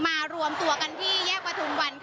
รวมตัวกันที่แยกประทุมวัน